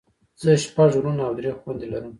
زه شپږ وروڼه او درې خويندې لرم.